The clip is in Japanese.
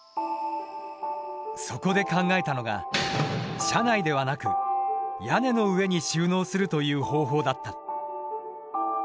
そこで考えたのが車内ではなく屋根の上に収納するという方法だった。